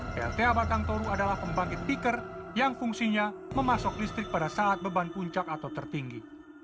plta batang toru adalah pembangkit piker yang fungsinya memasok listrik pada saat beban puncak atau tertinggi